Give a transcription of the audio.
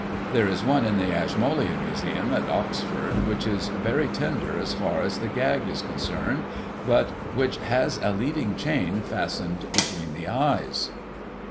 There is one in the Ashmolean Museum at Oxford, which is very tender as far as the gag is concerned, but which has a leading chain fastened between the eyes.